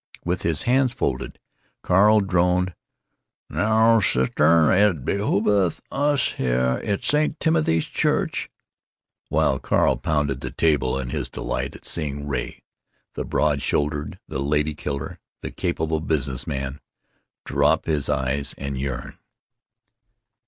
With his hands folded, Ray droned, "Naow, sistern, it behooveth us heuh in St. Timothee's Chutch," while Carl pounded the table in his delight at seeing old Ray, the broad shouldered, the lady killer, the capable business man, drop his eyes and yearn.